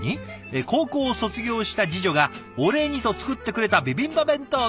「高校を卒業した次女がお礼にと作ってくれたビビンバ弁当です」。